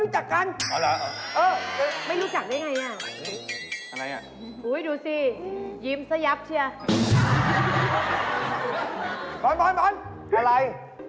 จริงหรือเปล่า